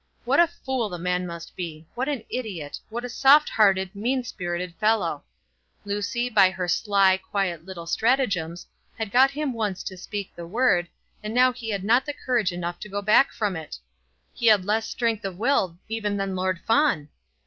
What a fool the man must be, what an idiot, what a soft hearted, mean spirited fellow! Lucy, by her sly, quiet little stratagems, had got him once to speak the word, and now he had not courage enough to go back from it! He had less strength of will even than Lord Fawn!